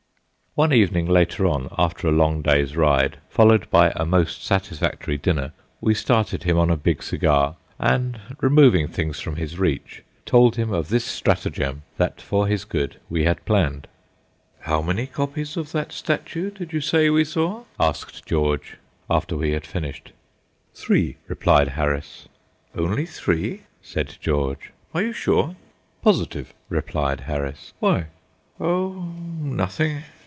One evening later on, after a long day's ride, followed by a most satisfactory dinner, we started him on a big cigar, and, removing things from his reach, told him of this stratagem that for his good we had planned. "How many copies of that statue did you say we saw?" asked George, after we had finished. "Three," replied Harris. "Only three?" said George. "Are you sure?" "Positive," replied Harris. "Why?" "Oh, nothing!"